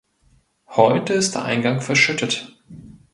Heute ist der Eingang verschüttet.